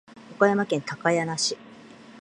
岡山県高梁市